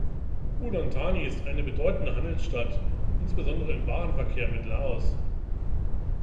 Udon Thani ist eine bedeutende Handelsstadt, insbesondere im Warenverkehr mit Laos.